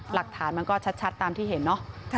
หลักฐานมันก็ชัดตามที่เห็นเนาะ